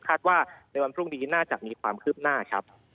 ว่าในวันพรุ่งนี้น่าจะมีความคืบหน้าครับ